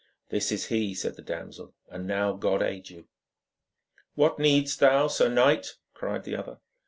'This is he,' said the damsel, 'and now God aid you!' 'What needst thou, sir knight?' cried the other.